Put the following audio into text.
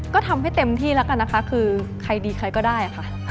ก็ทำให้เต็มที่แล้วกันนะคะคือใครดีใครก็ได้ค่ะ